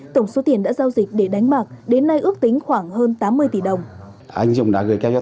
tổng số tiền đã giao dịch để đánh bạc đến nay ước tính khoảng hơn tám mươi tỷ đồng